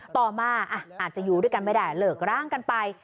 ต่อมาอาจจะอยู่ด้วยกันไม่ได้เลิกร้างกันไป